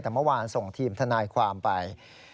แต่เมื่อวานส่งทีมทนายความไป